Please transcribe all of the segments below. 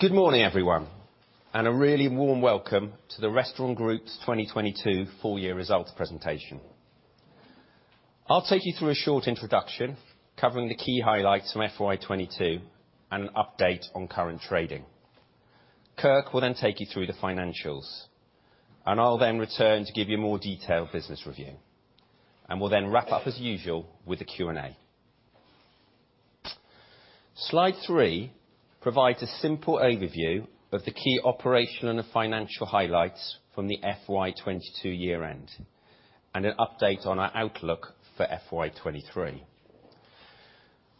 Good morning, everyone, a really warm welcome to The Restaurant Group's 2022 full year results presentation. I'll take you through a short introduction covering the key highlights from FY 2022, and an update on current trading. Kirk will then take you through the financials, and I'll then return to give you a more detailed business review. We'll then wrap up as usual with a Q&A. Slide three provides a simple overview of the key operational and the financial highlights from the FY 2022 year-end, and an update on our outlook for FY 2023.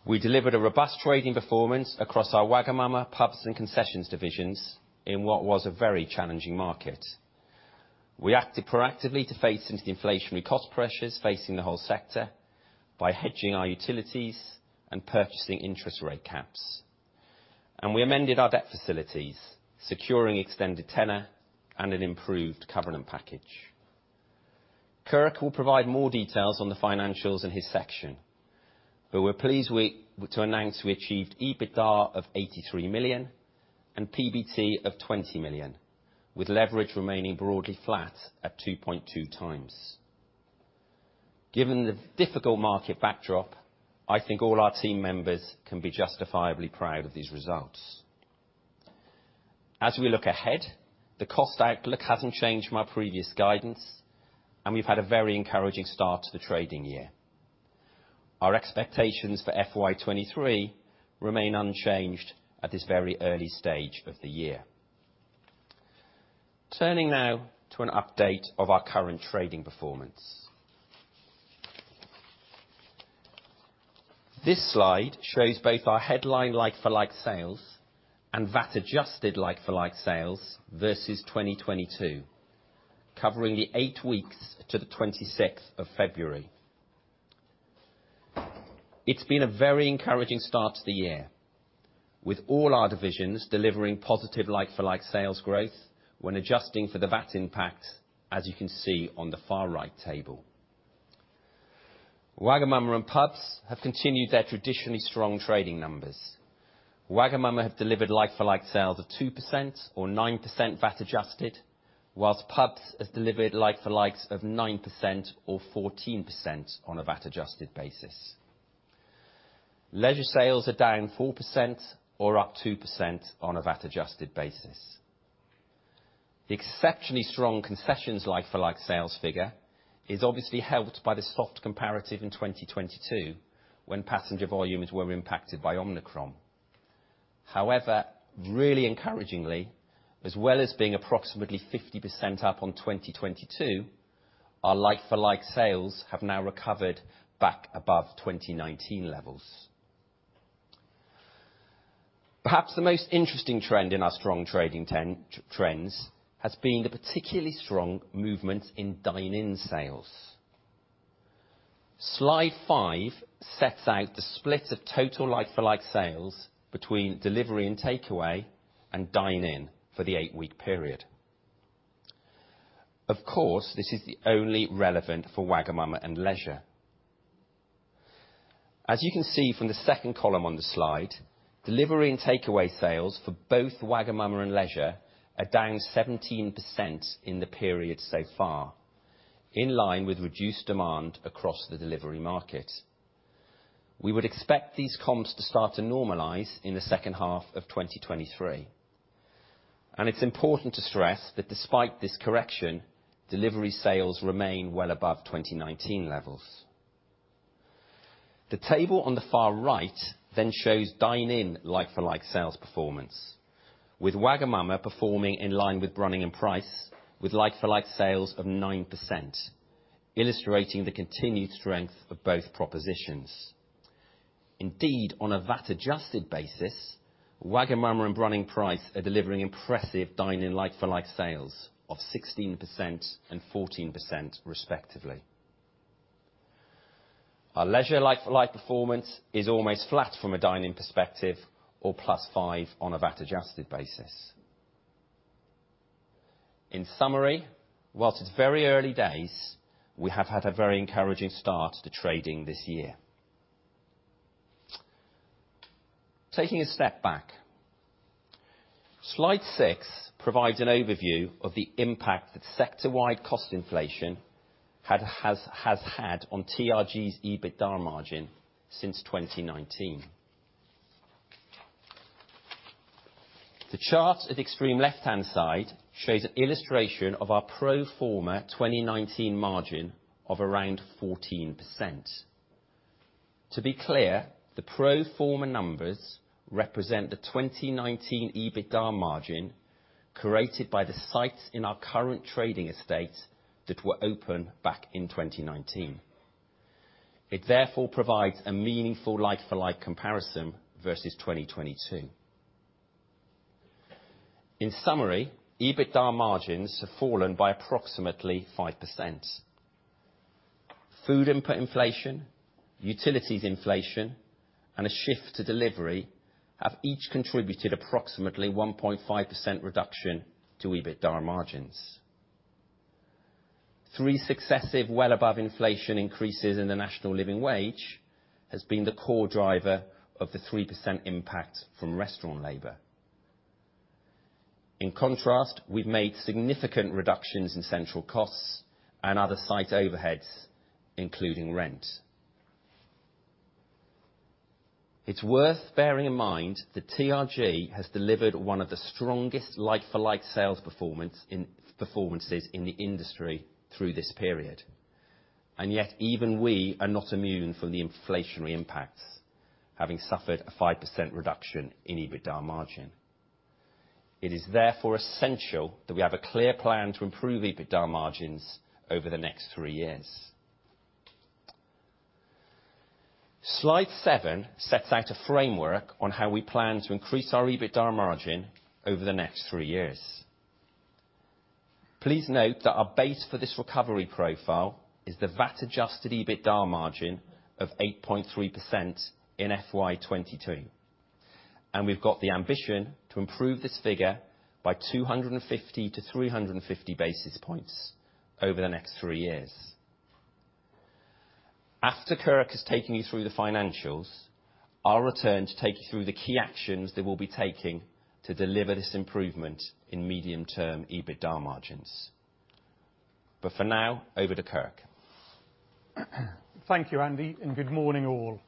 We delivered a robust trading performance across our wagamama, Pubs, and Concessions divisions in what was a very challenging market. We acted proactively to face into the inflationary cost pressures facing the whole sector by hedging our utilities and purchasing interest rate caps. We amended our debt facilities, securing extended tenor and an improved covenant package. Kirk will provide more details on the financials in his section, but we're pleased we to announce we achieved EBITDA of 83 million and PBT of 20 million, with leverage remaining broadly flat at 2.2 times. Given the difficult market backdrop, I think all our team members can be justifiably proud of these results. As we look ahead, the cost outlook hasn't changed from our previous guidance, and we've had a very encouraging start to the trading year. Our expectations for FY 2023 remain unchanged at this very early stage of the year. Turning now to an update of our current trading performance. This slide shows both our headline like-for-like sales and VAT-adjusted like-for-like sales versus 2022, covering the 8 weeks to the 26th of February. It's been a very encouraging start to the year, with all our divisions delivering positive like-for-like sales growth when adjusting for the VAT impact, as you can see on the far right table. wagamama and pubs have continued their traditionally strong trading numbers. wagamama have delivered like-for-like sales of 2% or 9% VAT adjusted, whilst pubs have delivered like-for-likes of 9% or 14% on a VAT-adjusted basis. Leisure sales are down 4% or up 2% on a VAT-adjusted basis. The exceptionally strong concessions like-for-like sales figure is obviously helped by the soft comparative in 2022 when passenger volumes were impacted by Omicron. Really encouragingly, as well as being approximately 50% up on 2022, our like-for-like sales have now recovered back above 2019 levels. Perhaps the most interesting trend in our strong trading trends has been the particularly strong movement in dine-in sales. Slide five sets out the split of total like-for-like sales between delivery and takeaway and dine-in for the 8-week period. Of course, this is the only relevant for wagamama and Leisure. As you can see from the second column on the slide, delivery and takeaway sales for both wagamama and Leisure are down 17% in the period so far, in line with reduced demand across the delivery market. We would expect these comps to start to normalize in the second half of 2023. It's important to stress that despite this correction, delivery sales remain well above 2019 levels. The table on the far right shows dine-in like-for-like sales performance, with wagamama performing in line with Brunning & Price with like-for-like sales of 9%, illustrating the continued strength of both propositions. Indeed, on a VAT-adjusted basis, wagamama and Brunning & Price are delivering impressive dine-in like-for-like sales of 16% and 14% respectively. Our leisure like-for-like performance is almost flat from a dine-in perspective or +5% on a VAT-adjusted basis. In summary, whilst it's very early days, we have had a very encouraging start to trading this year. Taking a step back, Slide six provides an overview of the impact that sector-wide cost inflation has had on TRG's EBITDA margin since 2019. The chart at extreme left-hand side shows an illustration of our pro forma 2019 margin of around 14%. To be clear, the pro forma numbers represent the 2019 EBITDA margin created by the sites in our current trading estate that were open back in 2019. It therefore provides a meaningful like-for-like comparison versus 2022. In summary, EBITDA margins have fallen by approximately 5%. Food input inflation, utilities inflation, and a shift to delivery have each contributed approximately 1.5% reduction to EBITDA margins. Three successive, well above inflation increases in the National Living Wage has been the core driver of the 3% impact from restaurant labor. In contrast, we've made significant reductions in central costs and other site overheads, including rent. It's worth bearing in mind that TRG has delivered one of the strongest like-for-like sales performances in the industry through this period. Yet even we are not immune from the inflationary impacts, having suffered a 5% reduction in EBITDA margin. It is therefore essential that we have a clear plan to improve EBITDA margins over the next 3 years. Slide seven sets out a framework on how we plan to increase our EBITDA margin over the next three years. Please note that our base for this recovery profile is the VAT-adjusted EBITDA margin of 8.3% in FY 2022, we've got the ambition to improve this figure by 250 to 350 basis points over the next three years. After Kirk has taken you through the financials, I'll return to take you through the key actions that we'll be taking to deliver this improvement in medium-term EBITDA margins. For now, over to Kirk. Thank you, Andy. Good morning all.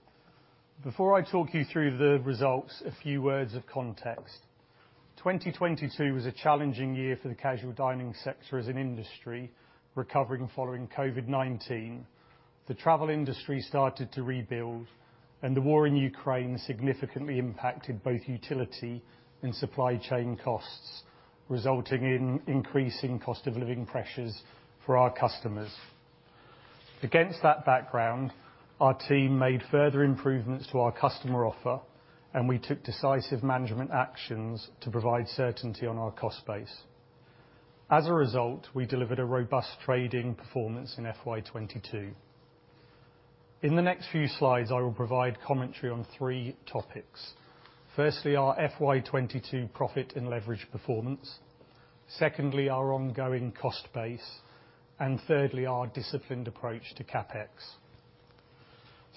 Before I talk you through the results, a few words of context. 2022 was a challenging year for the casual dining sector as an industry recovering following COVID-19. The travel industry started to rebuild, and the war in Ukraine significantly impacted both utility and supply chain costs, resulting in increasing cost of living pressures for our customers. Against that background, our team made further improvements to our customer offer, and we took decisive management actions to provide certainty on our cost base. As a result, we delivered a robust trading performance in FY 2022. In the next few slides, I will provide commentary on three topics. Firstly, our FY 2022 profit and leverage performance. Secondly, our ongoing cost base. Thirdly, our disciplined approach to CapEx.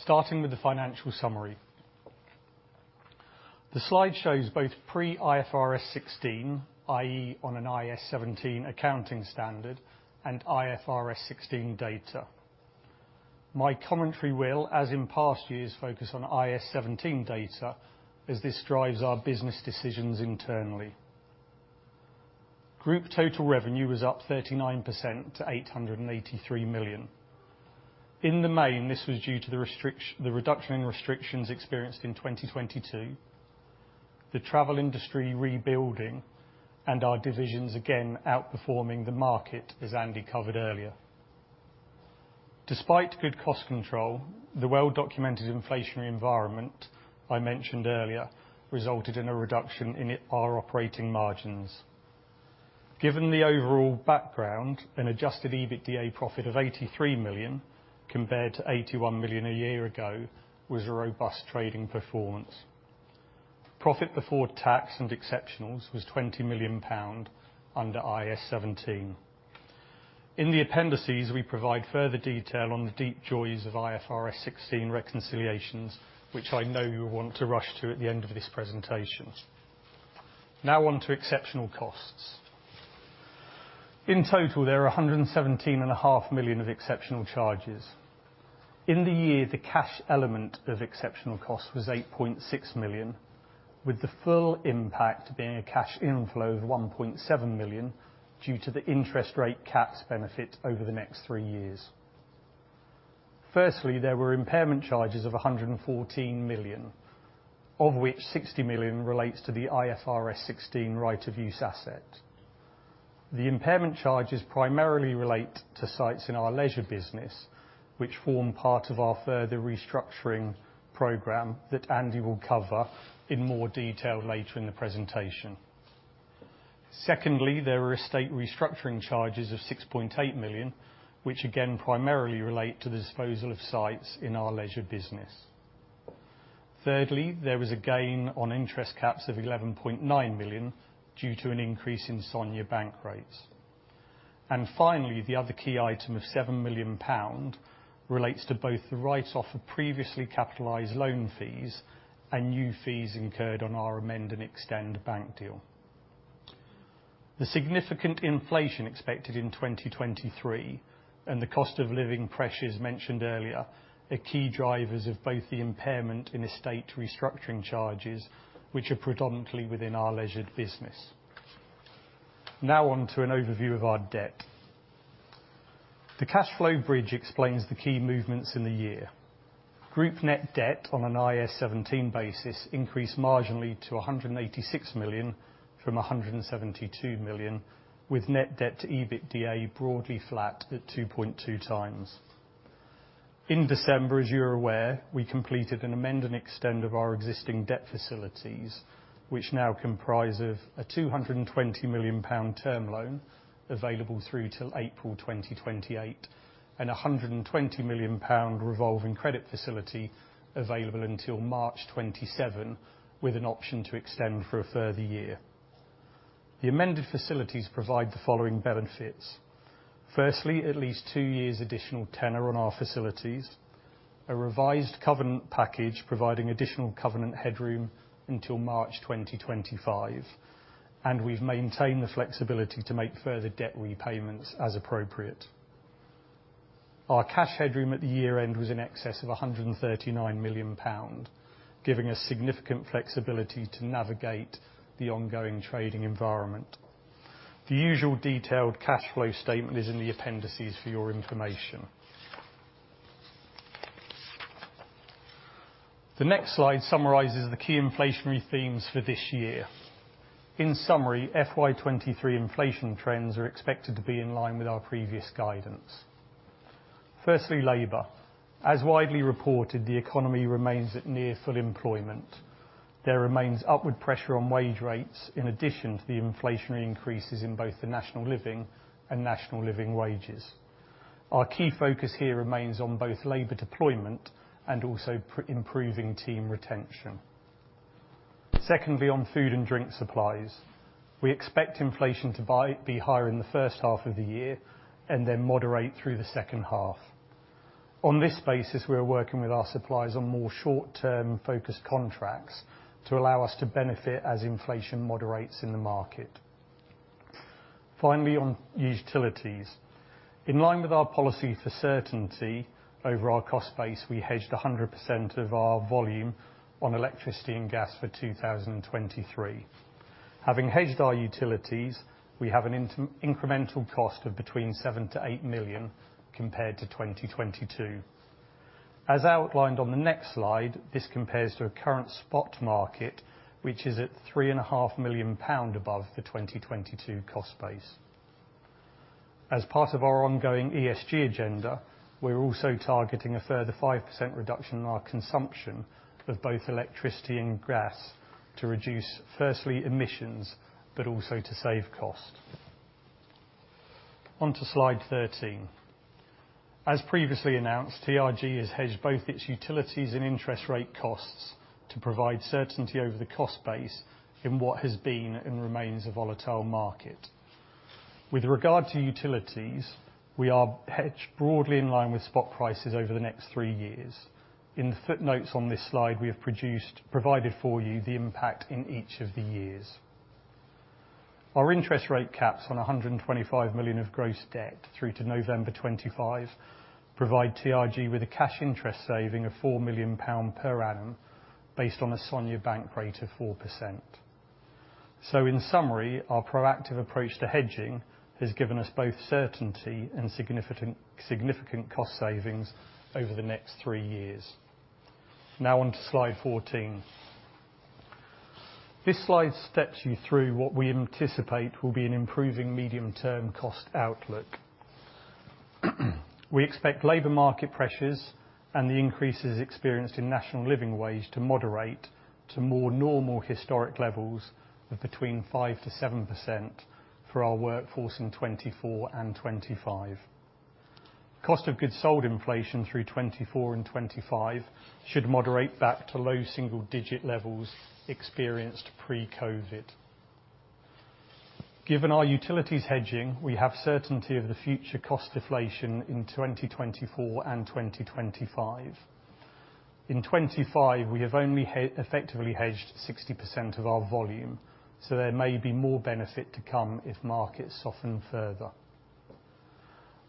Starting with the financial summary. The slide shows both pre-IFRS 16, i.e., on an IAS 17 accounting standard and IFRS 16 data. My commentary will, as in past years, focus on IAS 17 data as this drives our business decisions internally. Group total revenue was up 39% to 883 million. In the main, this was due to the reduction in restrictions experienced in 2022, the travel industry rebuilding, and our divisions again outperforming the market, as Andy covered earlier. Despite good cost control, the well-documented inflationary environment I mentioned earlier resulted in a reduction in our operating margins. Given the overall background, an adjusted EBITDA profit of 83 million compared to 81 million a year ago was a robust trading performance. Profit before tax and exceptionals was 20 million pound under IAS 17. In the appendices, we provide further detail on the deep joys of IFRS 16 reconciliations, which I know you'll want to rush to at the end of this presentation. On to exceptional costs. In total, there are 117.5 million of exceptional charges. In the year, the cash element of exceptional costs was 8.6 million, with the full impact being a cash inflow of 1.7 million due to the interest rate caps benefit over the next three years. Firstly, there were impairment charges of 114 million, of which 60 million relates to the IFRS 16 right-of-use asset. The impairment charges primarily relate to sites in our leisure business, which form part of our further restructuring program that Andy will cover in more detail later in the presentation. There were estate restructuring charges of 6.8 million, which again primarily relate to the disposal of sites in our leisure business. There was a gain on interest caps of 11.9 million due to an increase in SONIA bank rates. Finally, the other key item of 7 million pound relates to both the write-off of previously capitalized loan fees and new fees incurred on our amend and extend bank deal. The significant inflation expected in 2023 and the cost of living pressures mentioned earlier are key drivers of both the impairment and estate restructuring charges, which are predominantly within our leisure business. On to an overview of our debt. The cash flow bridge explains the key movements in the year. Group net debt on an IAS 17 basis increased marginally to 186 million from 172 million, with net debt to EBITDA broadly flat at 2.2 times. In December, as you're aware, we completed an amend and extend of our existing debt facilities, which now comprise of a 220 million pound term loan available through till April 2028 and a 120 million pound revolving credit facility available until March 2027, with an option to extend for a further year. The amended facilities provide the following benefits. Firstly, at least 2 years additional tenor on our facilities, a revised covenant package providing additional covenant headroom until March 2025, and we've maintained the flexibility to make further debt repayments as appropriate. Our cash headroom at the year-end was in excess of 139 million pound, giving us significant flexibility to navigate the ongoing trading environment. The usual detailed cash flow statement is in the appendices for your information. The next slide summarizes the key inflationary themes for this year. In summary, FY 2023 inflation trends are expected to be in line with our previous guidance. Firstly, labor. As widely reported, the economy remains at near full employment. There remains upward pressure on wage rates in addition to the inflationary increases in both the National Living Wage. Our key focus here remains on both labor deployment and also improving team retention. Secondly, on food and drink supplies. We expect inflation to be higher in the first half of the year and then moderate through the second half. On this basis, we are working with our suppliers on more short-term focused contracts to allow us to benefit as inflation moderates in the market. On utilities. In line with our policy for certainty over our cost base, we hedged 100% of our volume on electricity and gas for 2023. Having hedged our utilities, we have an incremental cost of between 7 million-8 million compared to 2022. As outlined on the next slide, this compares to a current spot market which is at 3.5 million pound above the 2022 cost base. As part of our ongoing ESG agenda, we're also targeting a further 5% reduction in our consumption of both electricity and gas to reduce, firstly, emissions, but also to save cost. On to Slide 13. As previously announced, TRG has hedged both its utilities and interest rate costs to provide certainty over the cost base in what has been and remains a volatile market. With regard to utilities, we are hedged broadly in line with spot prices over the next three years. In the footnotes on this slide, we have provided for you the impact in each of the years. Our interest rate caps on 125 million of gross debt through to November 2025 provide TRG with a cash interest saving of 4 million pound per annum based on a SONIA bank rate of 4%. In summary, our proactive approach to hedging has given us both certainty and significant cost savings over the next three years. On to Slide 14. This slide steps you through what we anticipate will be an improving medium-term cost outlook. We expect labor market pressures and the increases experienced in National Living Wage to moderate to more normal historic levels of between 5%-7% for our workforce in 2024 and 2025. Cost of goods sold inflation through 2024 and 2025 should moderate back to low single-digit levels experienced pre-COVID. Given our utilities hedging, we have certainty of the future cost deflation in 2024 and 2025. In 2025, we have only effectively hedged 60% of our volume, so there may be more benefit to come if markets soften further.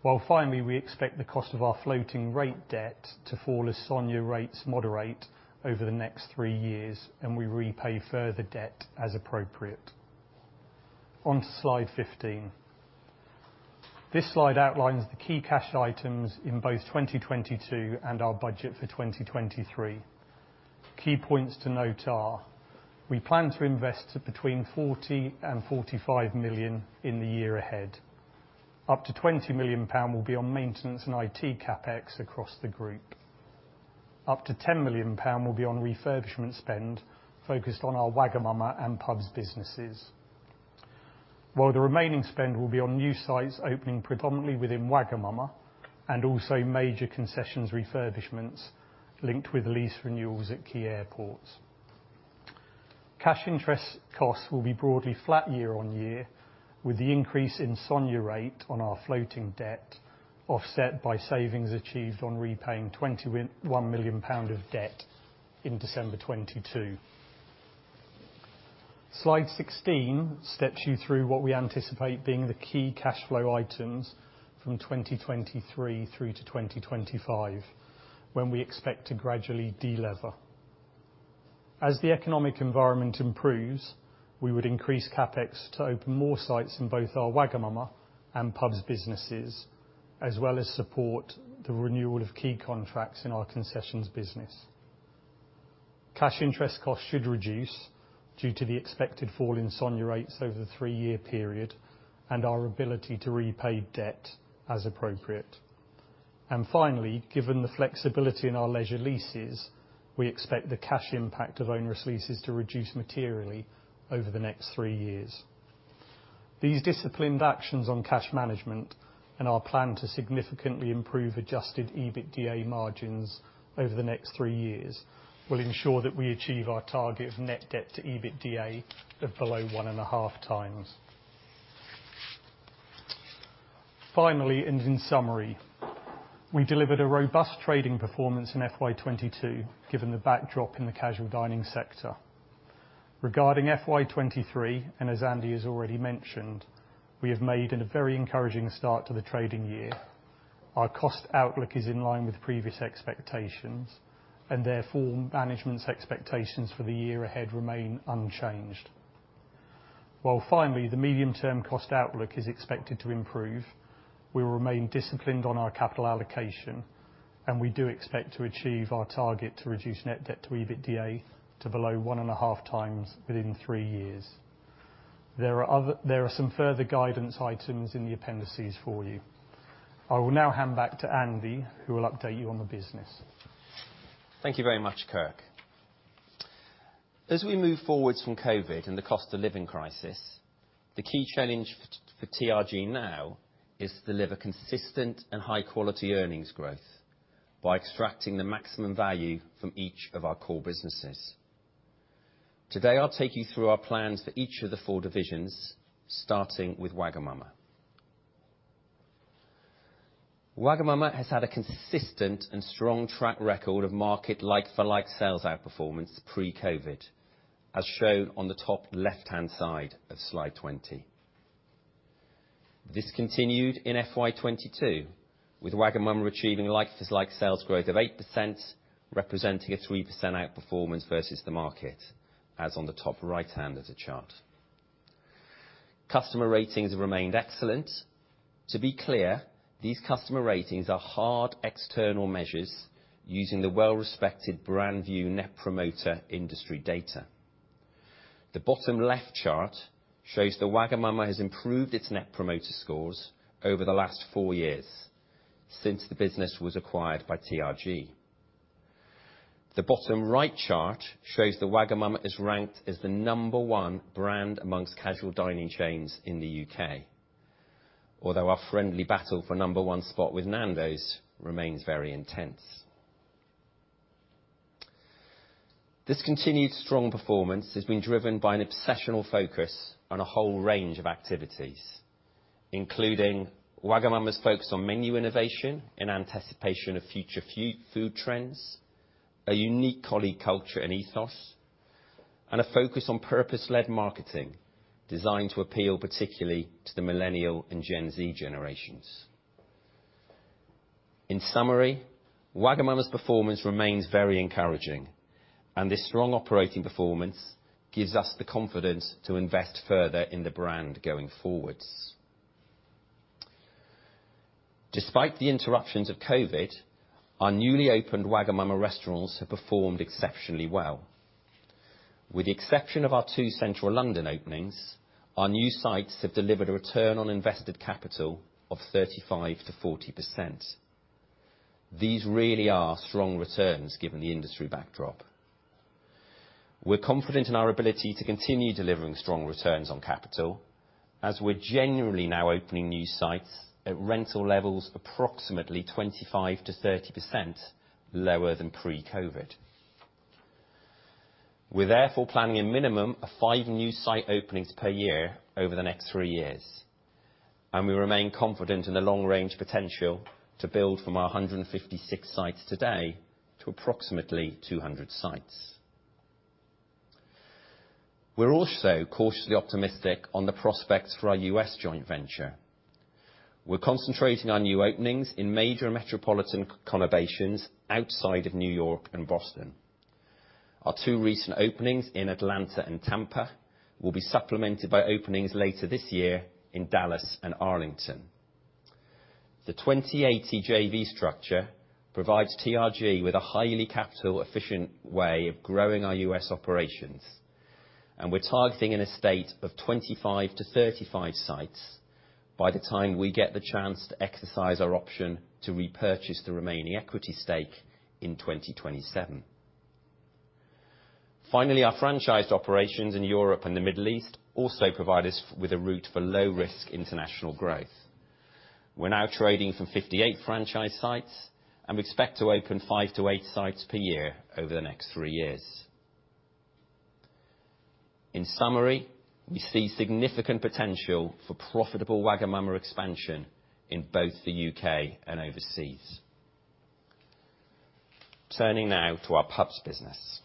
Well, finally, we expect the cost of our floating rate debt to fall as SONIA rates moderate over the next three years, and we repay further debt as appropriate. On to Slide 15. This slide outlines the key cash items in both 2022 and our budget for 2023. Key points to note are: we plan to invest between 40 million and 45 million in the year ahead. Up to 20 million pound will be on maintenance and IT CapEx across the group. Up to 10 million pound will be on refurbishment spend focused on our wagamama and Pubs businesses. The remaining spend will be on new sites opening predominantly within wagamama and also major concessions refurbishments linked with lease renewals at key airports. Cash interest costs will be broadly flat year-over-year, with the increase in SONIA rate on our floating debt offset by savings achieved on repaying 20 million pound of debt in December 2022. Slide 16 steps you through what we anticipate being the key cash flow items from 2023 through to 2025, when we expect to gradually delever. As the economic environment improves, we would increase CapEx to open more sites in both our wagamama and Pubs businesses, as well as support the renewal of key contracts in our concessions business. Cash interest costs should reduce due to the expected fall in SONIA rates over the three-year period and our ability to repay debt as appropriate. Finally, given the flexibility in our leisure leases, we expect the cash impact of onerous leases to reduce materially over the next three years. These disciplined actions on cash management and our plan to significantly improve adjusted EBITDA margins over the next three years will ensure that we achieve our target of net debt to EBITDA of below one and a half times. Finally, in summary, we delivered a robust trading performance in FY 2022, given the backdrop in the casual dining sector. Regarding FY 2023, and as Andy has already mentioned, we have made a very encouraging start to the trading year. Our cost outlook is in line with previous expectations, and therefore management's expectations for the year ahead remain unchanged. Finally, the medium-term cost outlook is expected to improve. We will remain disciplined on our capital allocation, and we do expect to achieve our target to reduce net debt to EBITDA to below 1.5 times within three years. There are some further guidance items in the appendices for you. I will now hand back to Andy, who will update you on the business. Thank you very much, Kirk. As we move forwards from COVID and the cost of living crisis, the key challenge for TRG now is to deliver consistent and high-quality earnings growth by extracting the maximum value from each of our core businesses. Today, I'll take you through our plans for each of the four divisions, starting with wagamama. Wagamama has had a consistent and strong track record of market like-for-like sales outperformance pre-COVID, as shown on the top left-hand side of Slide 20. This continued in FY 2022, with wagamama achieving like-for-like sales growth of 8%, representing a 3% outperformance versus the market, as on the top right hand of the chart. Customer ratings remained excellent. To be clear, these customer ratings are hard, external measures using the well-respected BrandVue Net Promoter industry data. The bottom left chart shows that wagamama has improved its Net Promoter scores over the last four years since the business was acquired by TRG. The bottom right chart shows that wagamama is ranked as the number one brand amongst casual dining chains in the U.K. Although our friendly battle for number one spot with Nando's remains very intense. This continued strong performance has been driven by an obsessional focus on a whole range of activities, including wagamama's focus on menu innovation in anticipation of future food trends, a unique colleague culture and ethos, and a focus on purpose-led marketing designed to appeal particularly to the Millennial and Gen Z generations. In summary, wagamama's performance remains very encouraging, and this strong operating performance gives us the confidence to invest further in the brand going forwards. Despite the interruptions of COVID, our newly opened wagamama restaurants have performed exceptionally well. With the exception of our two central London openings, our new sites have delivered a return on invested capital of 35%-40%. These really are strong returns given the industry backdrop. We're confident in our ability to continue delivering strong returns on capital, as we're genuinely now opening new sites at rental levels approximately 25%-30% lower than pre-COVID. We're therefore planning a minimum of five new site openings per year over the next three years, and we remain confident in the long-range potential to build from our 156 sites today to approximately 200 sites. We're also cautiously optimistic on the prospects for our U.S. joint venture. We're concentrating on new openings in major metropolitan conurbations outside of New York and Boston. Our two recent openings in Atlanta and Tampa will be supplemented by openings later this year in Dallas and Arlington. The 20/80 JV structure provides TRG with a highly capital efficient way of growing our U.S. operations. We're targeting an estate of 25-35 sites by the time we get the chance to exercise our option to repurchase the remaining equity stake in 2027. Finally, our franchised operations in Europe and the Middle East also provide us with a route for low-risk international growth. We're now trading from 58 franchise sites. We expect to open 5-8 sites per year over the next three years. In summary, we see significant potential for profitable wagamama expansion in both the U.K. and overseas. Turning now to our pubs business.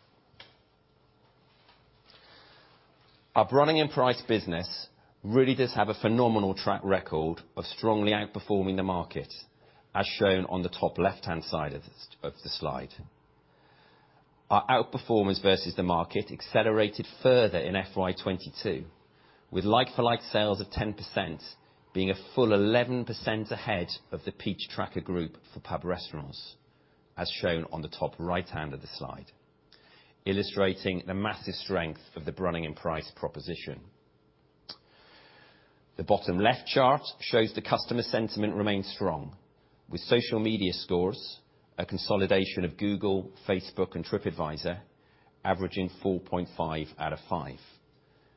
Our Brunning & Price business really does have a phenomenal track record of strongly outperforming the market, as shown on the top left-hand side of the slide. Our outperformance versus the market accelerated further in FY 2022, with like-for-like sales of 10% being a full 11% ahead of the Coffer Peach Business Tracker group for pub restaurants, as shown on the top right-hand of the slide, illustrating the massive strength of the Brunning & Price proposition. The bottom left chart shows the customer sentiment remains strong with social media scores, a consolidation of Google, Facebook, and TripAdvisor, averaging 4.5 out of five,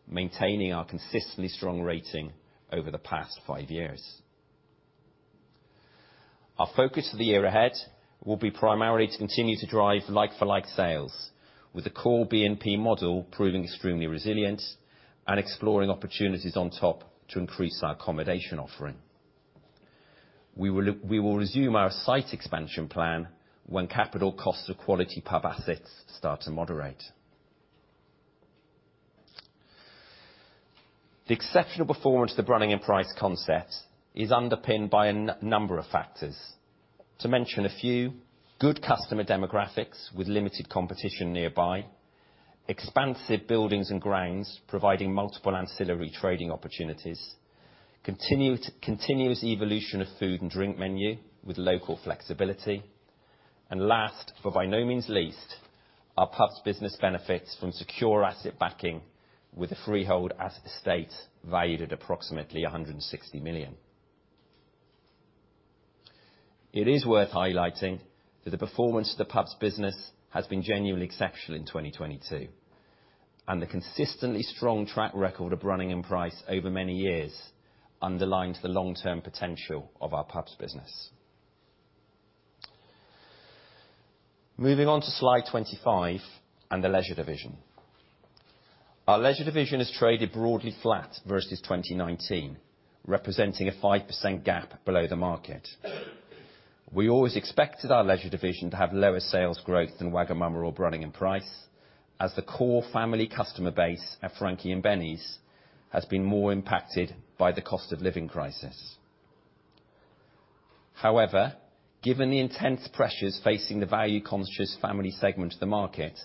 maintaining our consistently strong rating over the past five years. Our focus for the year ahead will be primarily to continue to drive like-for-like sales with the core B&P model proving extremely resilient and exploring opportunities on top to increase our accommodation offering. We will resume our site expansion plan when capital costs of quality pub assets start to moderate. The exceptional performance of the Brunning & Price concept is underpinned by a number of factors. To mention a few, good customer demographics with limited competition nearby, expansive buildings and grounds providing multiple ancillary trading opportunities, continuous evolution of food and drink menu with local flexibility, and last, but by no means least, our pubs business benefits from secure asset backing with a freehold asset estate valued at approximately 160 million. It is worth highlighting that the performance of the pubs business has been genuinely exceptional in 2022, and the consistently strong track record of Brunning & Price over many years underlines the long-term potential of our pubs business. Moving on to Slide 25 and the leisure division. Our leisure division has traded broadly flat versus 2019, representing a 5% gap below the market. We always expected our leisure division to have lower sales growth than wagamama or Brunning & Price, as the core family customer base at Frankie & Benny's has been more impacted by the cost of living crisis. Given the intense pressures facing the value-conscious family segment of the market,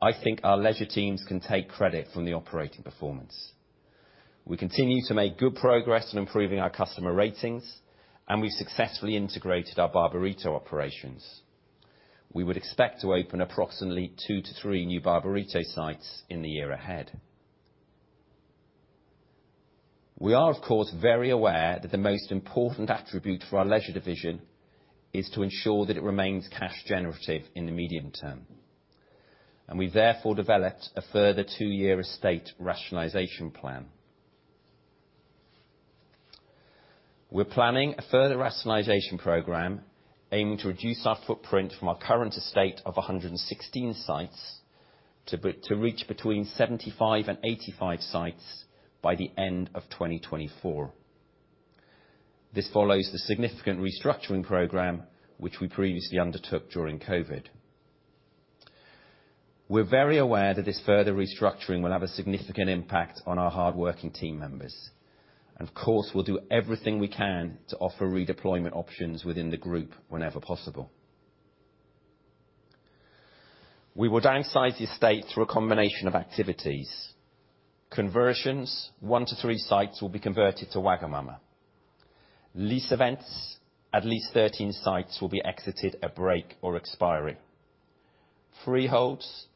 I think our leisure teams can take credit from the operating performance. We continue to make good progress in improving our customer ratings, and we successfully integrated our Barburrito operations. We would expect to open approximately 2-3 new Barburrito sites in the year ahead. We are, of course, very aware that the most important attribute for our leisure division is to ensure that it remains cash generative in the medium term. We therefore developed a further two-year estate rationalization plan. We're planning a further rationalization program aiming to reduce our footprint from our current estate of 116 sites to reach between 75 and 85 sites by the end of 2024. This follows the significant restructuring program which we previously undertook during COVID. We're very aware that this further restructuring will have a significant impact on our hardworking team members and, of course, we'll do everything we can to offer redeployment options within the group whenever possible. We will downsize the estate through a combination of activities. Conversions, 1 to 3 sites will be converted to wagamama. Lease events, at least 13 sites will be exited at break or expiry. Freeholds,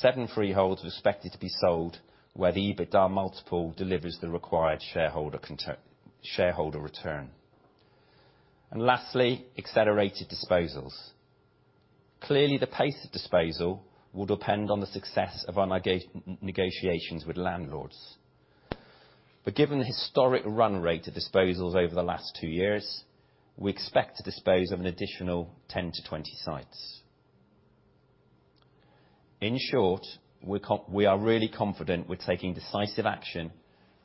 7 freeholds are expected to be sold where the EBITDA multiple delivers the required shareholder return. Lastly, accelerated disposals. Clearly, the pace of disposal will depend on the success of our negotiations with landlords. Given the historic run rate of disposals over the last two years, we expect to dispose of an additional 10 to 20 sites. In short, we are really confident we're taking decisive action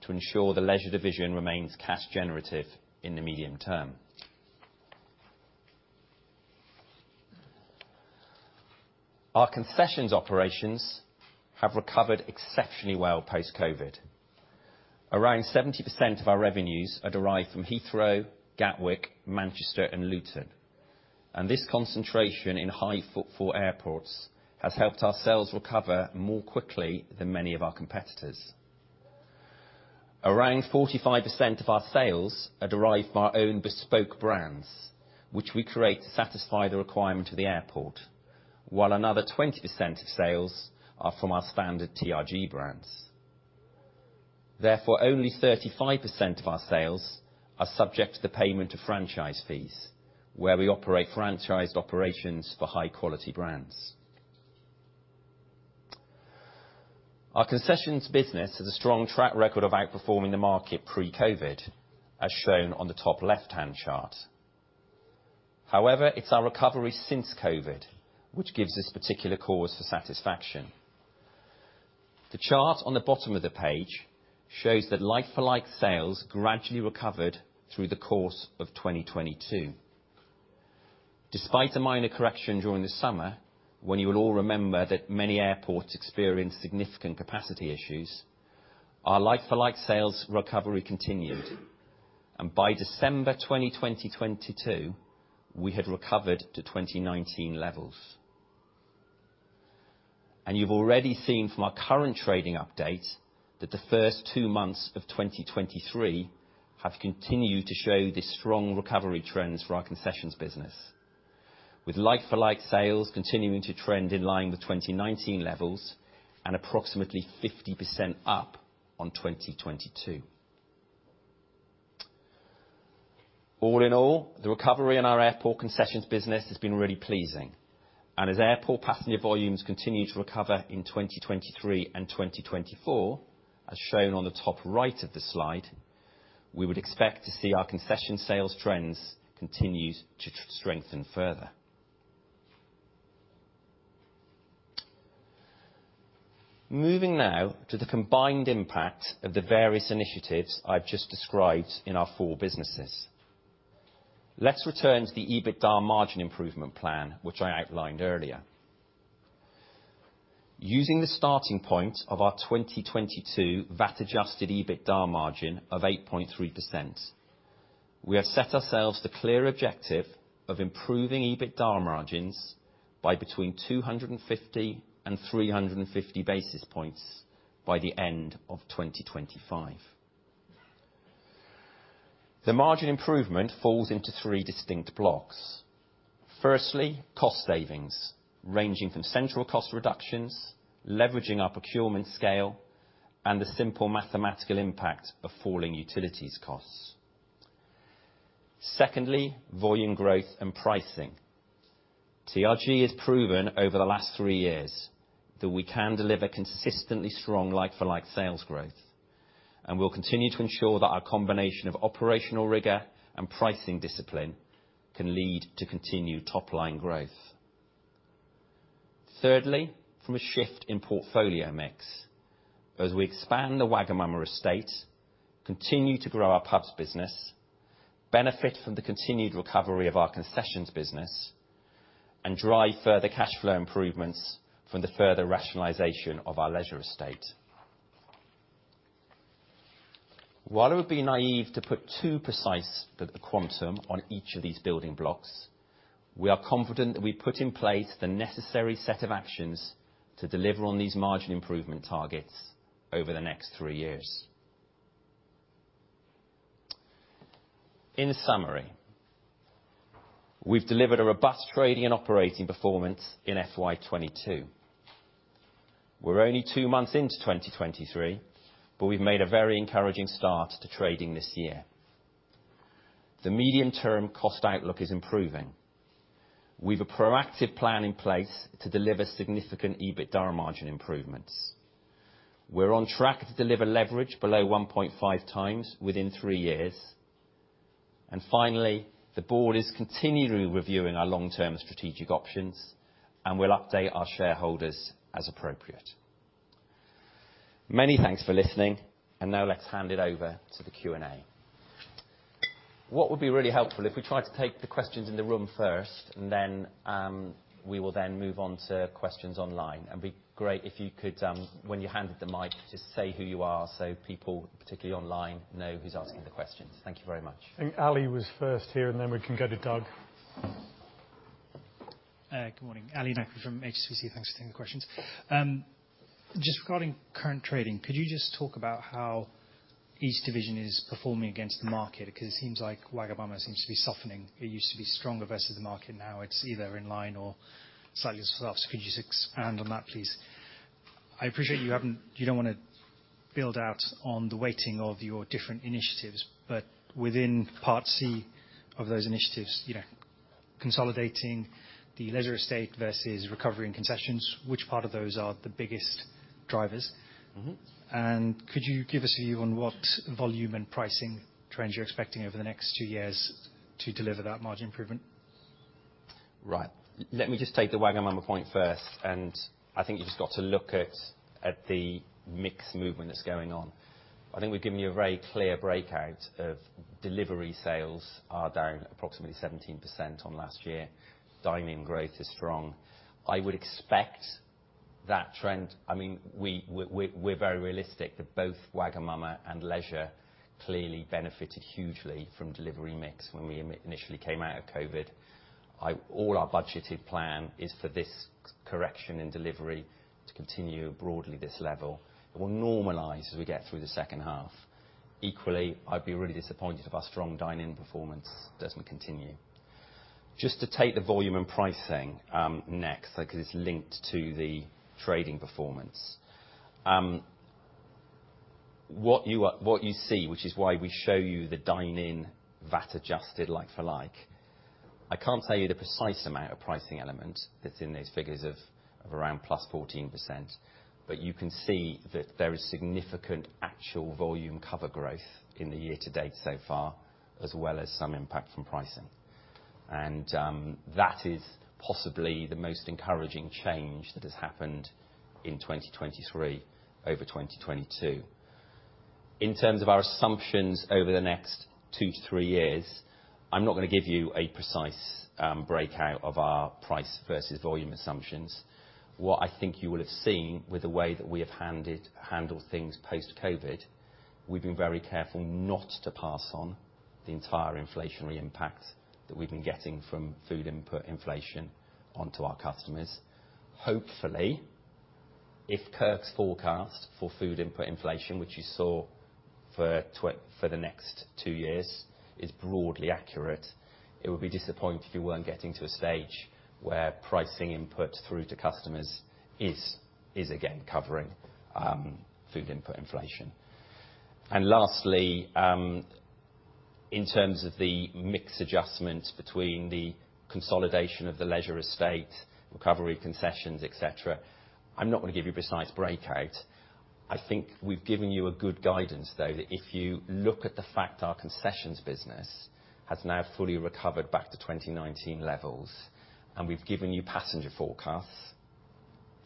to ensure the leisure division remains cash generative in the medium term. Our concessions operations have recovered exceptionally well post-COVID. Around 70% of our revenues are derived from Heathrow, Gatwick, Manchester and Luton, and this concentration in high footfall airports has helped our sales recover more quickly than many of our competitors. Around 45% of our sales are derived from our own bespoke brands, which we create to satisfy the requirement of the airport, while another 20% of sales are from our standard TRG brands. Only 35% of our sales are subject to the payment of franchise fees where we operate franchised operations for high-quality brands. Our concessions business has a strong track record of outperforming the market pre-COVID, as shown on the top left-hand chart. It's our recovery since COVID, which gives this particular cause for satisfaction. The chart on the bottom of the page shows that like-for-like sales gradually recovered through the course of 2022. Despite a minor correction during the summer, when you will all remember that many airports experienced significant capacity issues, our like-for-like sales recovery continued, and by December 2022, we had recovered to 2019 levels. You've already seen from our current trading update that the first two months of 2023 have continued to show these strong recovery trends for our concessions business, with like-for-like sales continuing to trend in line with 2019 levels and approximately 50% up on 2022. All in all, the recovery in our airport concessions business has been really pleasing. As airport passenger volumes continue to recover in 2023 and 2024, as shown on the top right of the slide, we would expect to see our concession sales trends continues to strengthen further. Moving now to the combined impact of the various initiatives I've just described in our four businesses. Let's return to the EBITDA margin improvement plan, which I outlined earlier. Using the starting point of our 2022 VAT-adjusted EBITDA margin of 8.3%, we have set ourselves the clear objective of improving EBITDA margins by between 250 and 350 basis points by the end of 2025. The margin improvement falls into three distinct blocks. Firstly, cost savings, ranging from central cost reductions, leveraging our procurement scale, and the simple mathematical impact of falling utilities costs. Secondly, volume growth and pricing. TRG has proven over the last three years that we can deliver consistently strong like-for-like sales growth, and we'll continue to ensure that our combination of operational rigor and pricing discipline can lead to continued top-line growth. Thirdly, from a shift in portfolio mix as we expand the wagamama estate, continue to grow our pubs business, benefit from the continued recovery of our concessions business, and drive further cash flow improvements from the further rationalization of our leisure estate. It would be naive to put too precise the quantum on each of these building blocks, we are confident that we put in place the necessary set of actions to deliver on these margin improvement targets over the next three years. In summary, we've delivered a robust trading and operating performance in FY2022. We're only two months into 2023, we've made a very encouraging start to trading this year. The medium-term cost outlook is improving. We've a proactive plan in place to deliver significant EBITDA margin improvements. We're on track to deliver leverage below 1.5 times within three years. Finally, the board is continually reviewing our long-term strategic options, and we'll update our shareholders as appropriate. Many thanks for listening, now let's hand it over to the Q&A. What would be really helpful if we try to take the questions in the room first, and then we will then move on to questions online. It'd be great if you could, when you handle the mic, just say who you are so people, particularly online, know who's asking the questions. Thank you very much. I think Ali was first here, and then we can go to Doug. Good morning. Ali Naqvi from HSBC. Thanks for taking the questions. Just regarding current trading, could you just talk about how each division is performing against the market? Cause it seems like wagamama seems to be softening. It used to be stronger versus the market, now it's either in line or slightly softer. Could you just expand on that, please? I appreciate you don't wanna build out on the weighting of your different initiatives, but within part C of those initiatives, you know, consolidating the leisure estate versus recovery and concessions, which part of those are the biggest drivers? Mm-hmm. Could you give us a view on what volume and pricing trends you're expecting over the next two years to deliver that margin improvement? Right. Let me just take the wagamama point first. I think you've just got to look at the mix movement that's going on. I think we've given you a very clear breakout of delivery sales are down approximately 17% on last year. Dine-in growth is strong. I would expect that trend. I mean, we're very realistic that both wagamama and leisure clearly benefited hugely from delivery mix when we initially came out of COVID. All our budgeted plan is for this correction in delivery to continue broadly this level. It will normalize as we get through the second half. Equally, I'd be really disappointed if our strong dine-in performance doesn't continue. Just to take the volume and pricing, next, like, 'cause it's linked to the trading performance. What you are, what you see, which is why we show you the dine-in VAT adjusted like for like, I can't tell you the precise amount of pricing element that's in those figures of around +14%, but you can see that there is significant actual volume cover growth in the year to date so far, as well as some impact from pricing. That is possibly the most encouraging change that has happened in 2023 over 2022. In terms of our assumptions over the next 2-3 years, I'm not gonna give you a precise breakout of our price versus volume assumptions. What I think you will have seen with the way that we have handled things post-COVID, we've been very careful not to pass on the entire inflationary impact that we've been getting from food input inflation onto our customers. Hopefully, if Kirk's forecast for food input inflation, which you saw for for the next two years, is broadly accurate, it would be disappointing if you weren't getting to a stage where pricing input through to customers is again covering food input inflation. Lastly, in terms of the mix adjustment between the consolidation of the leisure estate, recovery concessions, et cetera, I'm not gonna give you a precise breakout. I think we've given you a good guidance though, that if you look at the fact our concessions business has now fully recovered back to 2019 levels, and we've given you passenger forecasts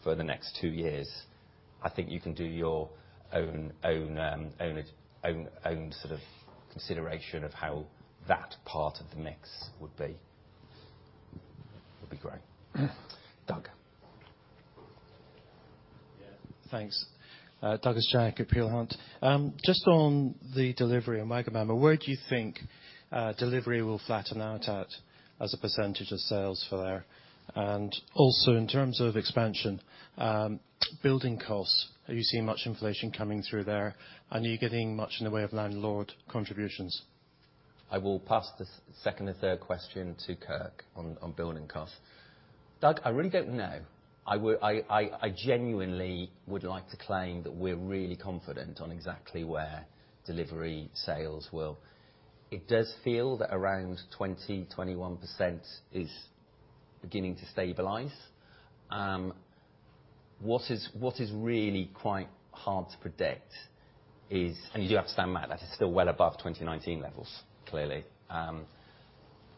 for the next two years, I think you can do your own sort of consideration of how that part of the mix would be. Would be great. Doug? Yeah. Thanks. Doug at Peel Hunt. Just on the delivery of wagamama, where do you think delivery will flatten out at as a % of sales for there? Also in terms of expansion, building costs, are you seeing much inflation coming through there? Are you getting much in the way of landlord contributions? I will pass the second to third question to Kirk on building costs. Doug, I really don't know. I genuinely would like to claim that we're really confident on exactly where delivery sales will... It does feel that around 20, 21% is beginning to stabilize. What is really quite hard to predict is... You do have to stand that is still well above 2019 levels, clearly.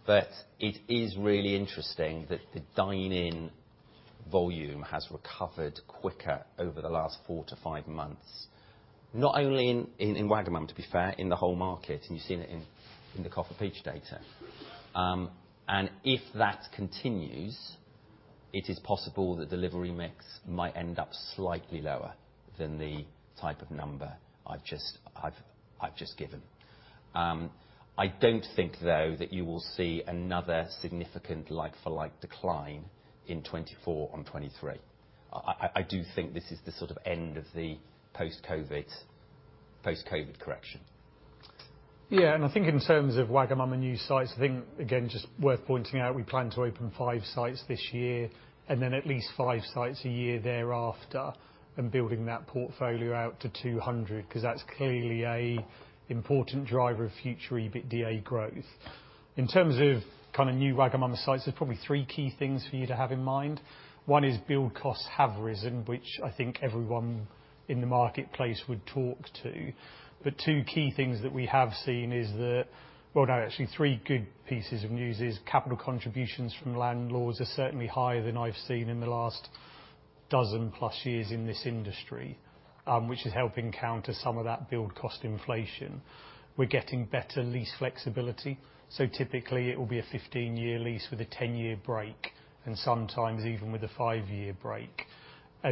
It is really interesting that the dine-in volume has recovered quicker over the last 4 to 5 months. Not only in wagamama, to be fair, in the whole market, and you've seen it in the Coffer Peach data. If that continues, it is possible the delivery mix might end up slightly lower than the type of number I've just given. I don't think though, that you will see another significant like-for-like decline in 24 on 23. I do think this is the sort of end of the post-COVID correction. Yeah, and I think in terms of wagamama new sites, I think, again, just worth pointing out, we plan to open five sites this year and then at least five sites a year thereafter, and building that portfolio out to 200, 'cause that's clearly an important driver of future EBITDA growth. In terms of kind of new wagamama sites, there's probably three key things for you to have in mind. One is build costs have risen, which I think everyone in the marketplace would talk to. Well, no, actually three good pieces of news is capital contributions from landlords are certainly higher than I've seen in the last dozen plus years in this industry, which is helping counter some of that build cost inflation. We're getting better lease flexibility, so typically it will be a 15-year lease with a 10-year break, and sometimes even with a 5-year break.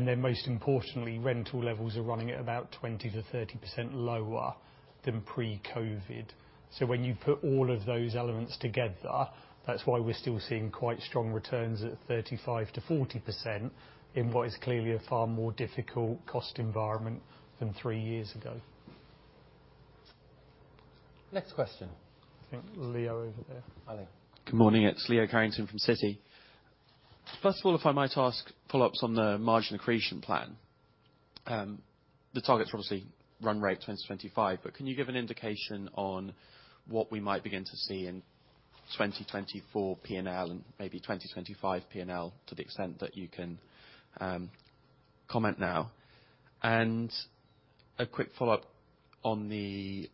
Most importantly, rental levels are running at about 20%-30% lower than pre-COVID. When you put all of those elements together, that's why we're still seeing quite strong returns at 35%-40% in what is clearly a far more difficult cost environment than three years ago. Next question. I think Leo over there. Hi, Leo. Good morning. It's Leo Carrington from Citi. First of all, if I might ask follow-ups on the margin accretion plan, the target's obviously run rate 2025, but can you give an indication on what we might begin to see in 2024 P&L and maybe 2025 P&L to the extent that you can comment now? A quick follow-up on the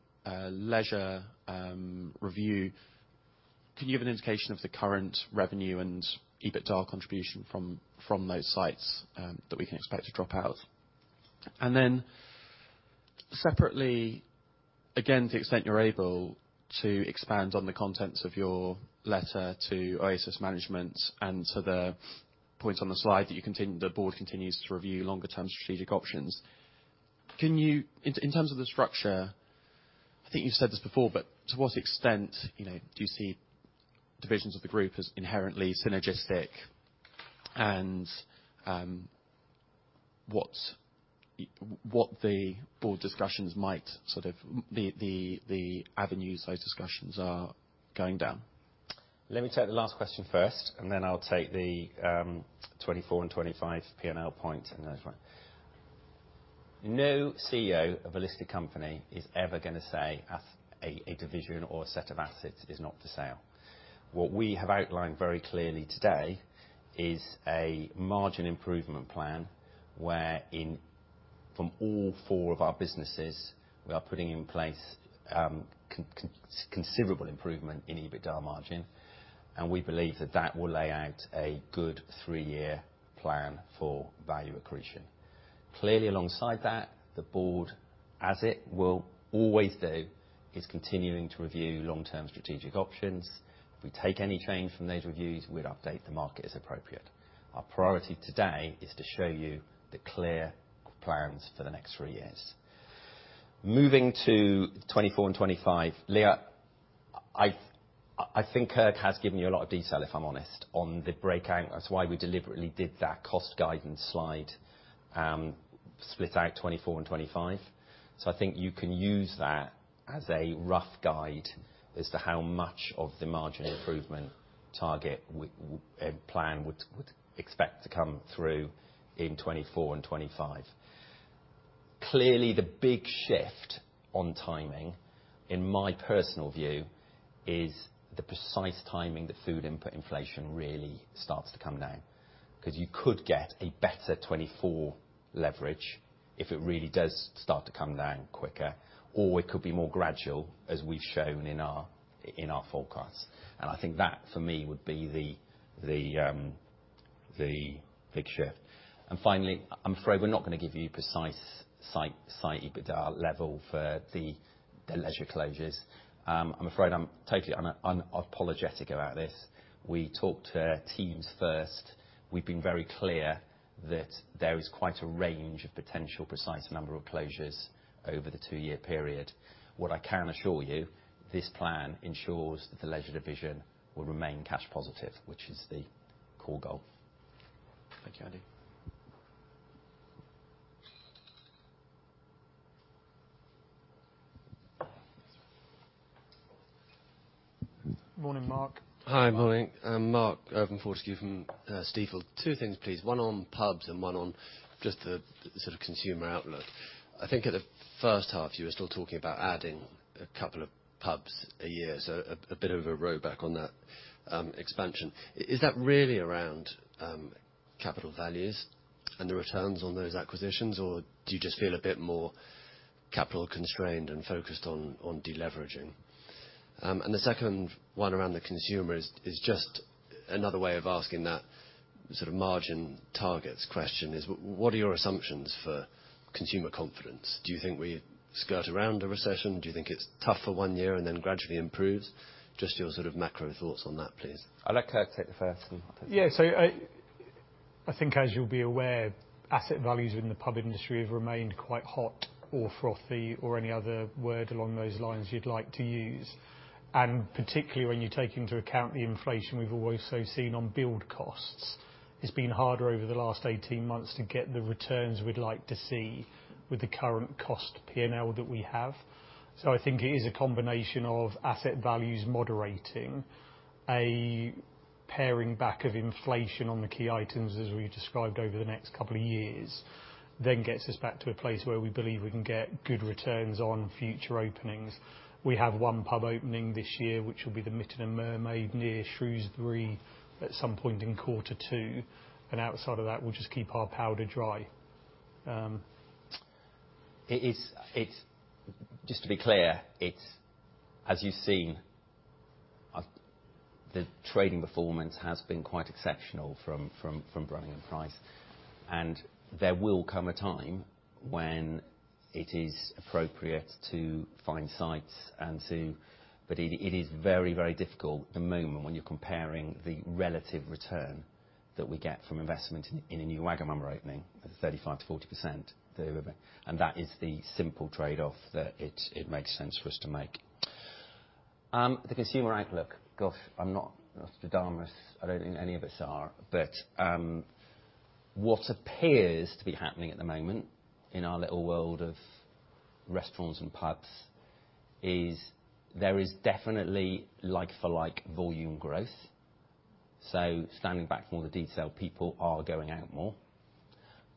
leisure review, can you give an indication of the current revenue and EBITDA contribution from those sites that we can expect to drop out? Separately, again, to the extent you're able to expand on the contents of your letter to Oasis Management and to the point on the slide that the board continues to review longer term strategic options. Can you... In terms of the structure, I think you've said this before, but to what extent, you know, do you see divisions of the group as inherently synergistic and what the board discussions might sort of... the avenues those discussions are going down? Let me take the last question first, and then I'll take the 2024 and 2025 P&L point and those one. No CEO of a listed company is ever gonna say a division or a set of assets is not for sale. What we have outlined very clearly today is a margin improvement plan wherein from all four of our businesses, we are putting in place considerable improvement in EBITDA margin, and we believe that that will lay out a good three-year plan for value accretion. Clearly, alongside that, the board, as it will always do, is continuing to review long-term strategic options. If we take any change from those reviews, we'd update the market as appropriate. Our priority today is to show you the clear plans for the next three years. Moving to 2024 and 2025, Leo, I think Kirk has given you a lot of detail, if I'm honest, on the breakout. That's why we deliberately did that cost guidance slide. Split out 2024 and 2025. I think you can use that as a rough guide as to how much of the margin improvement target plan would expect to come through in 2024 and 2025. Clearly, the big shift on timing, in my personal view, is the precise timing that food input inflation really starts to come down, 'cause you could get a better 2024 leverage if it really does start to come down quicker, or it could be more gradual as we've shown in our forecast. I think that, for me, would be the big shift. Finally, I'm afraid we're not gonna give you precise site EBITDA level for the leisure closures. I'm afraid I'm totally unapologetic about this. We talk to teams first. We've been very clear that there is quite a range of potential precise number of closures over the two-year period. What I can assure you, this plan ensures that the leisure division will remain cash positive, which is the core goal. Thank you, Andy. Morning, Mark. Hi. Morning. I'm Mark Irvine-Fortescue from Stifel. Two things please, one on pubs and one on just the sort of consumer outlook. I think at the first half you were still talking about adding two pubs a year, so a bit of a row back on that expansion. Is that really around capital values and the returns on those acquisitions or do you just feel a bit more capital constrained and focused on de-leveraging? The second one around the consumer is just another way of asking that sort of margin targets question, what are your assumptions for consumer confidence? Do you think we skirt around a recession? Do you think it's tough for one year and then gradually improves? Just your sort of macro thoughts on that, please. I'll let Kirk take the first and I'll take the second. I think as you'll be aware, asset values in the pub industry have remained quite hot or frothy or any other word along those lines you'd like to use, and particularly when you take into account the inflation we've also seen on build costs. It's been harder over the last 18 months to get the returns we'd like to see with the current cost P&L that we have. I think it is a combination of asset values moderating, a pairing back of inflation on the key items as we described over the next couple of years, then gets us back to a place where we believe we can get good returns on future openings. We have one pub opening this year, which will be the Mytton & Mermaid near Shrewsbury at some point in quarter two. Outside of that, we'll just keep our powder dry. Um... Just to be clear, as you've seen, the trading performance has been quite exceptional from Brunning & Price. There will come a time when it is appropriate to find sites. It is very, very difficult at the moment when you're comparing the relative return that we get from investment in a new wagamama opening at 35%-40%. That is the simple trade-off that it makes sense for us to make. The consumer outlook. Gosh, I'm not Nostradamus. I don't think any of us are. What appears to be happening at the moment in our little world of restaurants and pubs is there is definitely like for like volume growth. Standing back from all the detail, people are going out more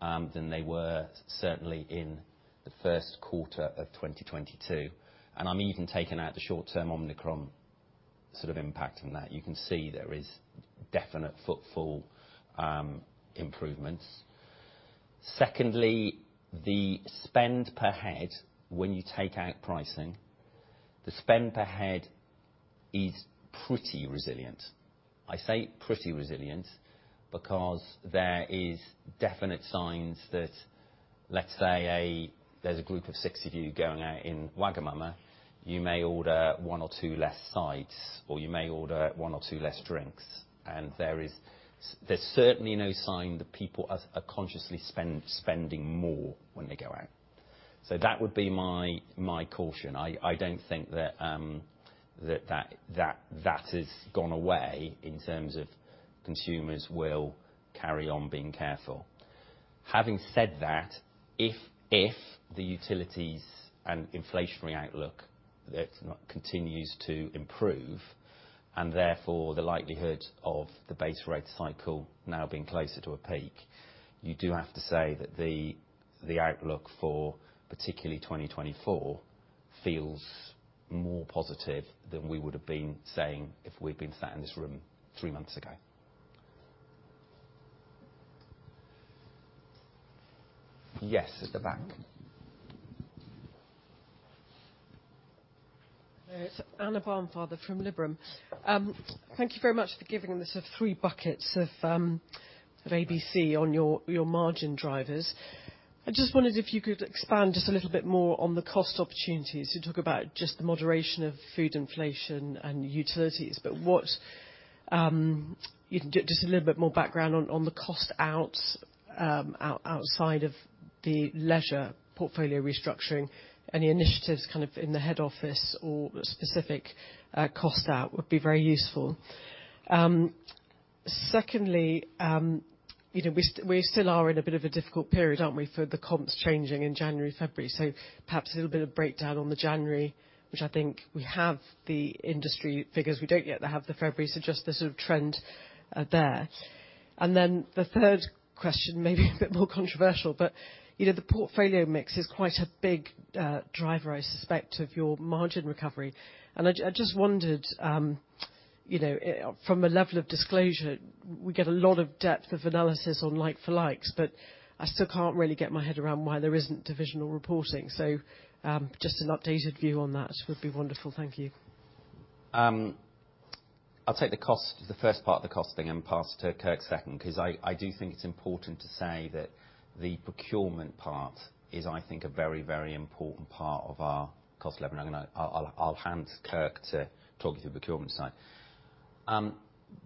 than they were certainly in the first quarter of 2022. I mean, even taking out the short-term Omicron impact on that, you can see there is definite footfall improvements. Secondly, the spend per head, when you take out pricing, the spend per head is pretty resilient. I say pretty resilient because there is definite signs that, let's say there's a group of 60 of you going out in wagamama, you may order one or two less sides, or you may order one or two less drinks. There's certainly no sign that people are consciously spending more when they go out. That would be my caution. I don't think that has gone away in terms of consumers will carry on being careful. Having said that, if the utilities and inflationary outlook continues to improve, and therefore the likelihood of the base rate cycle now being closer to a peak, you do have to say that the outlook for particularly 2024 feels more positive than we would have been saying if we'd been sat in this room three months ago. Yes, at the back. Hello. It's Anna Barnfather from Liberum. Thank you very much for giving the sort of three buckets of ABC on your margin drivers. I just wondered if you could expand just a little bit more on the cost opportunities. You talk about just the moderation of food inflation and utilities, but what you can just a little bit more background on the cost outs outside of the leisure portfolio restructuring. Any initiatives kind of in the head office or specific cost out would be very useful. Secondly, you know, we still are in a bit of a difficult period, aren't we, for the comps changing in January, February. Perhaps a little bit of breakdown on the January, which I think we have the industry figures. We don't yet have the February, so just the sort of trend there. The third question may be a bit more controversial, but, you know, the portfolio mix is quite a big driver, I suspect, of your margin recovery. I just wondered, you know, from a level of disclosure, we get a lot of depth of analysis on like for likes, but I still can't really get my head around why there isn't divisional reporting. Just an updated view on that would be wonderful. Thank you. I'll take the cost, the first part of the cost thing and pass to Kirk second, 'cause I do think it's important to say that the procurement part is, I think, a very, very important part of our cost lever. I'll hand to Kirk to talk you through the procurement side.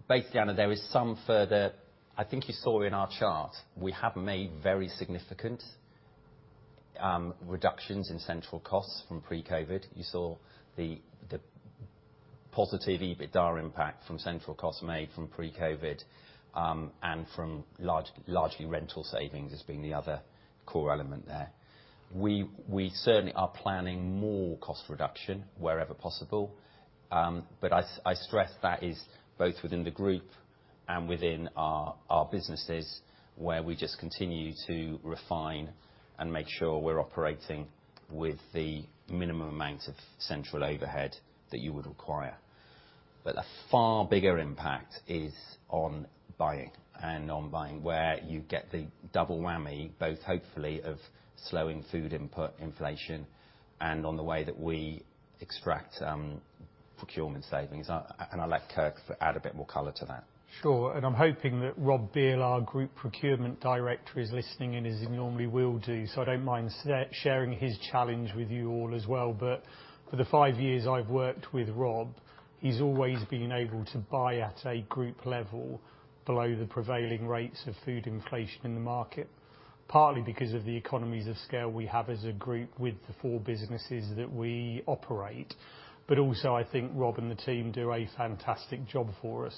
Basically, Anna, there is some I think you saw in our chart, we have made very significant reductions in central costs from pre-COVID-19. You saw the positive EBITDA impact from central costs made from pre-COVID-19, and from largely rental savings as being the other core element there. We certainly are planning more cost reduction wherever possible. I stress that is both within the group and within our businesses, where we just continue to refine and make sure we're operating with the minimum amount of central overhead that you would require. A far bigger impact is on buying and on buying where you get the double whammy, both hopefully of slowing food input inflation and on the way that we extract procurement savings. I'll let Kirk add a bit more color to that. Sure. I'm hoping that Rob Beale, our Group Procurement Director, is listening in, as he normally will do, so I don't mind sharing his challenge with you all as well. For the five years I've worked with Rob, he's always been able to buy at a group level below the prevailing rates of food inflation in the market, partly because of the economies of scale we have as a group with the four businesses that we operate. Also, I think Rob and the team do a fantastic job for us.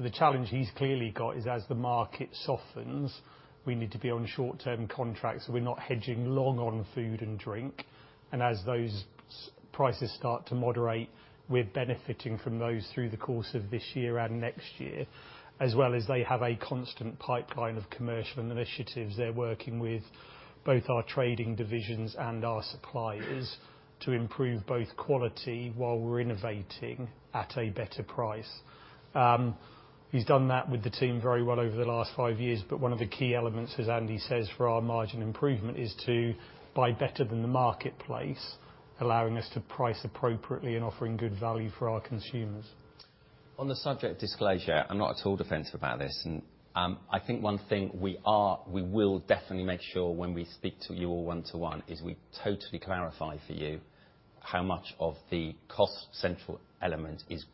The challenge he's clearly got is as the market softens, we need to be on short-term contracts, so we're not hedging long on food and drink. As those prices start to moderate, we're benefiting from those through the course of this year and next year, as well as they have a constant pipeline of commercial initiatives. They're working with both our trading divisions and our suppliers to improve both quality while we're innovating at a better price. He's done that with the team very well over the last five years, but one of the key elements, as Andy says, for our margin improvement is to buy better than the marketplace, allowing us to price appropriately and offering good value for our consumers. On the subject of disclosure, I'm not at all defensive about this, I think one thing we will definitely make sure when we speak to you all one-to-one, is we totally clarify for you how much of the cost central element is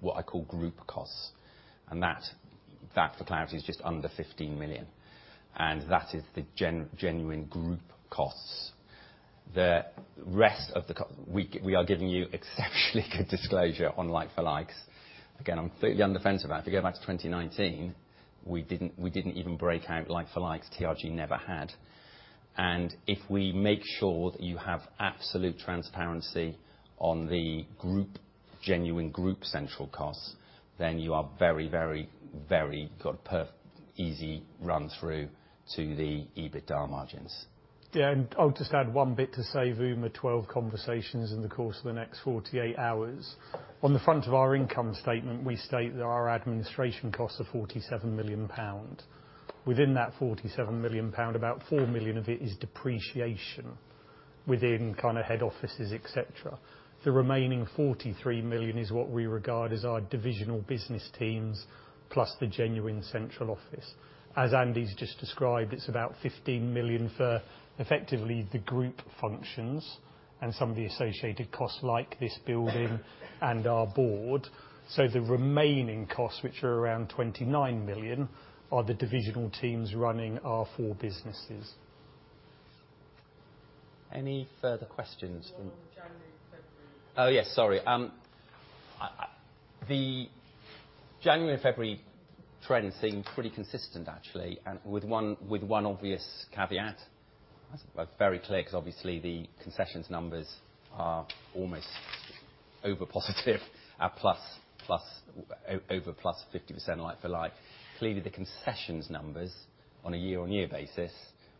what I call group costs, and that for clarity is just under 15 million, and that is the genuine group costs. The rest of the We are giving you exceptionally good disclosure on like for likes. Again, I'm completely on the defensive. If you go back to 2019, we didn't even break out like for likes. TRG never had. If we make sure that you have absolute transparency on the group, genuine group central costs, then you are very got easy run through to the EBITDA margins. I'll just add one bit to say, Uma, 12 conversations in the course of the next 48 hours. On the front of our income statement, we state that our administration costs are 47 million pounds. Within that 47 million pound, about 4 million of it is depreciation within kind of head offices, et cetera. The remaining 43 million is what we regard as our divisional business teams, plus the genuine central office. As Andy's just described, it's about 15 million for effectively the group functions and some of the associated costs like this building and our board. The remaining costs, which are around 29 million, are the divisional teams running our four businesses. Any further questions? On the January and February. Oh, yes. Sorry. The January and February trends seem pretty consistent actually, with one obvious caveat. Very clear, because obviously the concessions numbers are almost over plus 50% like for like. Clearly, the concessions numbers on a year-on-year basis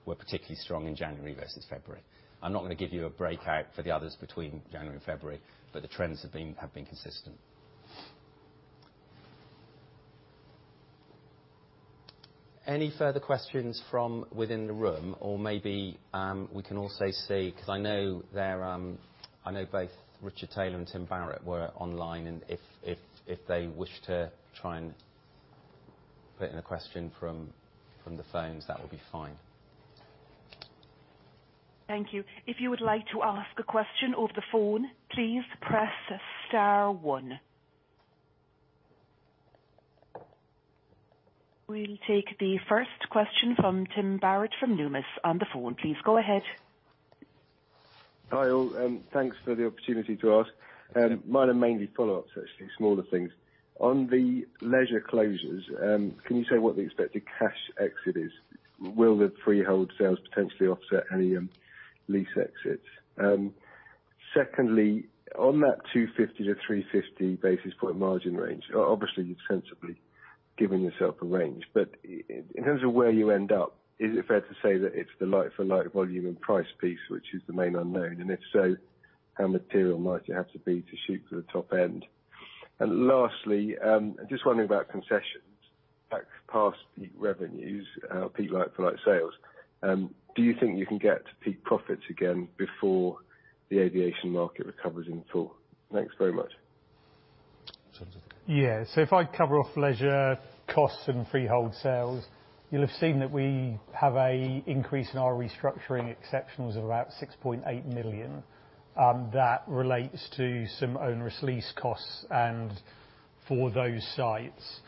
were particularly strong in January versus February. I'm not going to give you a breakout for the others between January and February, the trends have been consistent. Any further questions from within the room? Maybe we can also see, because I know they're, I know both Richard Taylor and Tim Barrett were online, and if they wish to try and put in a question from the phones, that would be fine. Thank you. If you would like to ask a question over the phone, please press star one. We'll take the first question from Tim Barrett from Numis on the phone. Please go ahead. Hi, all. Thanks for the opportunity to ask. Mine are mainly follow-ups, actually, smaller things. On the leisure closures, can you say what the expected cash exit is? Will the freehold sales potentially offset any lease exits? Secondly, on that 250-350 basis point margin range, obviously, you've sensibly given yourself a range. In terms of where you end up, is it fair to say that it's the like-for-like volume and price piece which is the main unknown? If so, how material might you have to be to shoot for the top end? Lastly, just wondering about concessions. Back past the revenues, peak like-for-like sales, do you think you can get to peak profits again before the aviation market recovers in full? Thanks very much. If I cover off leisure costs and freehold sales, you'll have seen that we have a increase in our restructuring exceptionals of about 6.8 million that relates to some onerous lease costs and for those sites.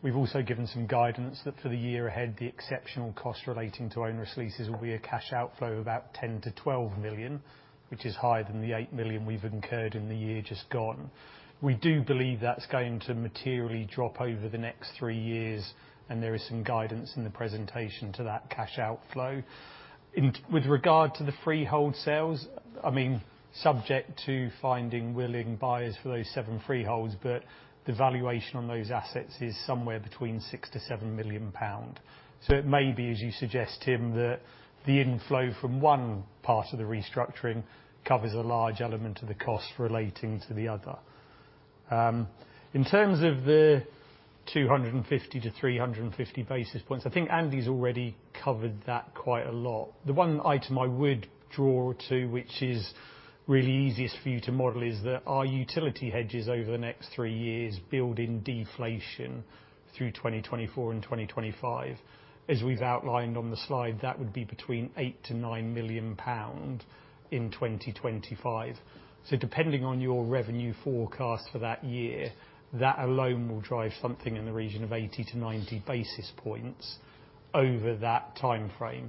We've also given some guidance that for the year ahead, the exceptional cost relating to onerous leases will be a cash outflow of about 10 million-12 million, which is higher than the 8 million we've incurred in the year just gone. We do believe that's going to materially drop over the next three years, and there is some guidance in the presentation to that cash outflow. With regard to the freehold sales, I mean, subject to finding willing buyers for those seven freeholds, the valuation on those assets is somewhere between 6 million-7 million pound. It may be, as you suggest, Tim, that the inflow from one part of the restructuring covers a large element of the cost relating to the other. In terms of the 250-350 basis points, I think Andy's already covered that quite a lot. The one item I would draw to, which is really easiest for you to model, is that our utility hedges over the next three years build in deflation through 2024 and 2025. As we've outlined on the slide, that would be between 8 million-9 million pound in 2025. Depending on your revenue forecast for that year, that alone will drive something in the region of 80-90 basis points over that timeframe.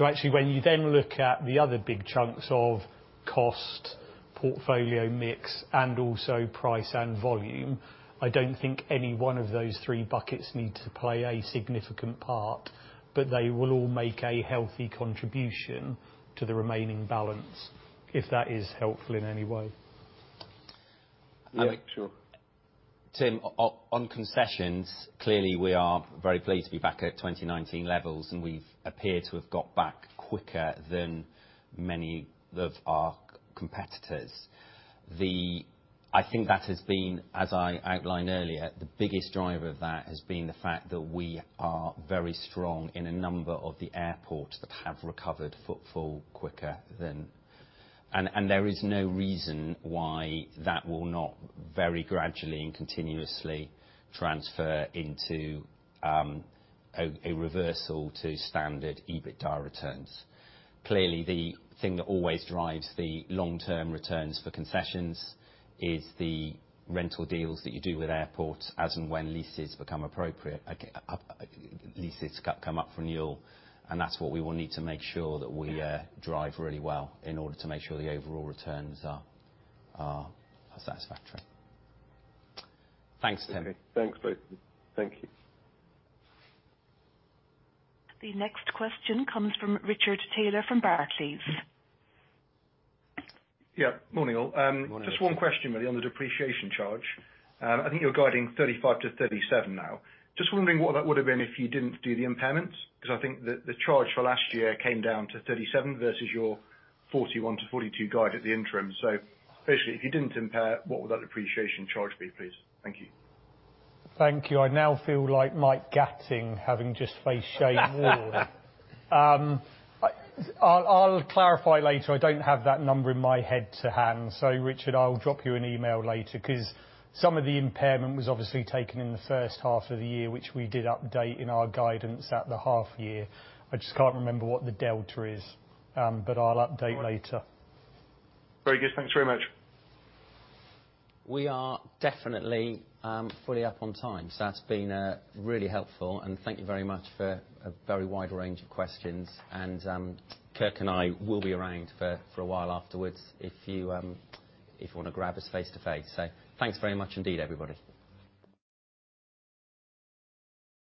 Actually, when you then look at the other big chunks of cost, portfolio mix, and also price and volume, I don't think any one of those three buckets need to play a significant part, but they will all make a healthy contribution to the remaining balance, if that is helpful in any way. Yeah, sure. Tim, on concessions, clearly we are very pleased to be back at 2019 levels, we appear to have got back quicker than many of our competitors. I think that has been, as I outlined earlier, the biggest driver of that has been the fact that we are very strong in a number of the airports that have recovered footfall quicker than. There is no reason why that will not very gradually and continuously transfer into a reversal to standard EBITDA returns. Clearly, the thing that always drives the long-term returns for concessions is the rental deals that you do with airports as and when leases become appropriate, leases come up for renewal, that's what we will need to make sure that we drive really well in order to make sure the overall returns are satisfactory. Thanks, Tim. Thanks, both. Thank you. The next question comes from Richard Taylor from Barclays. Yeah. Morning, all. Morning. Just one question really on the depreciation charge. I think you're guiding 35 million-37 million now. Just wondering what that would've been if you didn't do the impairments, 'cause I think the charge for last year came down to 37 million versus your 41 million-42 million guide at the interim. Basically, if you didn't impair, what would that depreciation charge be, please? Thank you. Thank you. I now feel like Mike Gatting having just faced Shane Warne. I'll clarify later. I don't have that number in my head to hand. Richard, I'll drop you an email later, 'cause some of the impairment was obviously taken in the first half of the year, which we did update in our guidance at the half year. I just can't remember what the delta is, but I'll update later. Very good. Thanks very much. We are definitely, fully up on time. That's been, really helpful, and thank you very much for a very wide range of questions. Kirk and I will be around for a while afterwards if you, if you wanna grab us face-to-face. Thanks very much indeed, everybody.